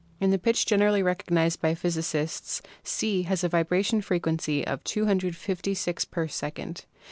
In the pitch generally recognised by physicists C has a vibration frequency of 256 per second.